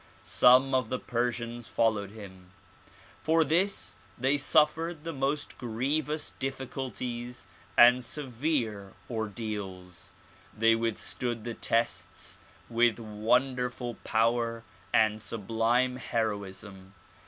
Some of the Persians followed him. For this they suffered the most grievous difficulties and severe ordeals. They withstood the tests with wonderful power and sublime heroism.